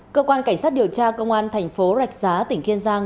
cơ quan cảnh sát điều tra công an tp rạch giá tỉnh kiên giang